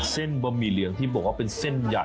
บะหมี่เหลืองที่บอกว่าเป็นเส้นใหญ่